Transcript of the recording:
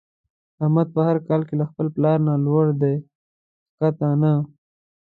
احمد په هر کار کې له خپل پلار نه لوړ دی ښکته نه.